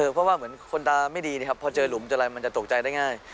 เพราะว่าเหมือนคนตาไม่ดีนะครับพอเจอหลุมเจออะไรมันจะตกใจได้ง่าย